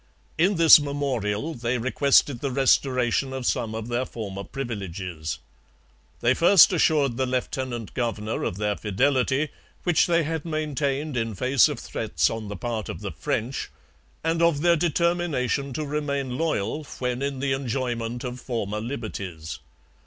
In this memorial they requested the restoration of some of their former privileges. They first assured the lieutenant governor of their fidelity, which they had maintained in face of threats on the part of the French, and of their determination to remain loyal when in the enjoyment of former liberties.